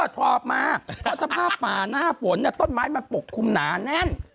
ถอบมาเพราะสภาพป่าหน้าฝนต้นไม้มันปกคลุมหนาแน่น